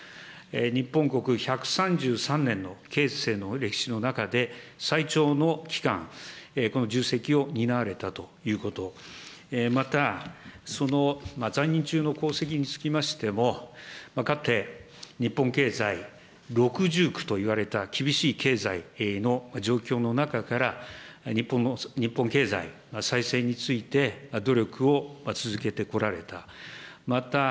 日本国１３３年の憲政の歴史の中で、最長の期間、この重責を担われたということ、またその在任中の功績につきましても、かつて日本経済六重苦といわれた厳しい経済の状況の中から、日本経済再生について、努力を続けてこられた。